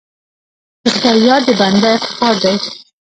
د خدای یاد د بنده افتخار دی.